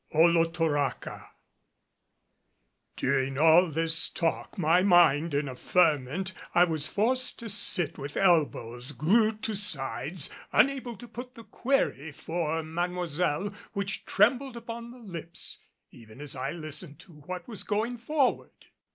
OLOTORACA. During all this talk, my mind in a ferment, I was forced to sit with elbows glued to sides, unable to put the query for Mademoiselle which trembled upon the lips even as I listened to what was going forward.